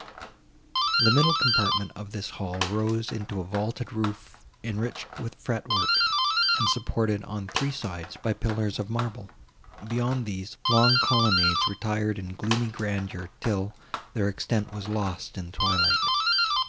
The middle compartment of this hall rose into a vaulted roof, enriched with fretwork, and supported, on three sides, by pillars of marble; beyond these, long colonnades retired in gloomy grandeur, till their extent was lost in twilight.